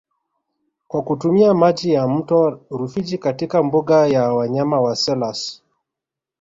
Kwa kutumia maji ya mto Rufiji katika mbuga ya wanyama ya Selous